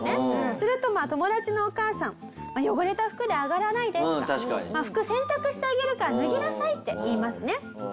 すると友達のお母さん「汚れた服で上がらないで」とか「服洗濯してあげるから脱ぎなさい」って言いますね。